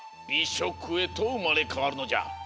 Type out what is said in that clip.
しょくへとうまれかわるのじゃ。